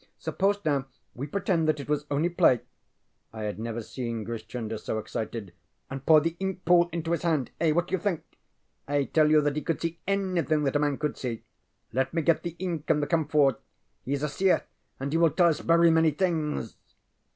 Suppose now we pretend that it was only playŌĆØ I had never seen Grish Chunder so excited ŌĆ£and pour the ink pool into his hand. Eh, what do you think? I tell you that he could see anything that a man could see. Let me get the ink and the camphor. He is a seer and he will tell us very many things.